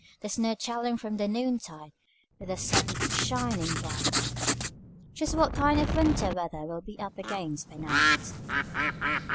There's no telling from the noon tide, with the sun a shining bright, Just what kind of winter weather we'll be up against by night."